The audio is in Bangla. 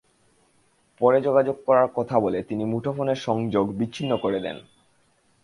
পরে যোগাযোগ করার কথা বলে তিনি মুঠোফোনের সংযোগ বিচ্ছিন্ন করে দেন।